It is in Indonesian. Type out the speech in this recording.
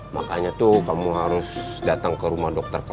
makanya tuh kamu harus datang ke rumah dokter kamu